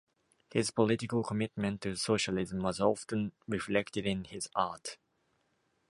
His political commitment to socialism was often reflected in his art.